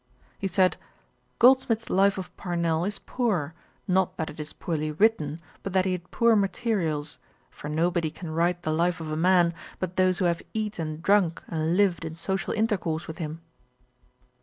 He said, 'Goldsmith's Life of Parnell is poor; not that it is poorly written, but that he had poor materials; for nobody can write the life of a man, but those who have eat and drunk and lived in social intercourse with him.'